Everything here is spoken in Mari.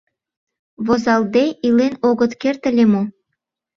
«Возалтде илен огыт керт ыле мо?